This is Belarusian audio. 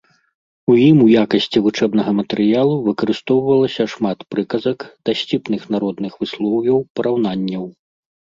У ім у якасці вучэбнага матэрыялу выкарыстоўвалася шмат прыказак, дасціпных народных выслоўяў, параўнанняў.